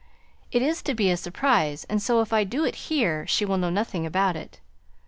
It is to be a surprise; and so if I do it here she will know nothing about it.